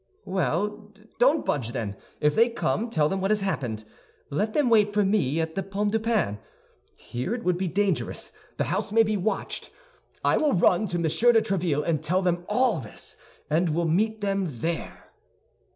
"Well, don't budge, then; if they come, tell them what has happened. Let them wait for me at the Pomme de Pin. Here it would be dangerous; the house may be watched. I will run to Monsieur de Tréville to tell them all this, and will meet them there."